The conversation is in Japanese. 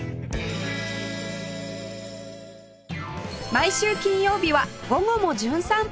毎週金曜日は『午後もじゅん散歩』